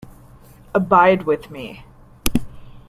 Abide with me.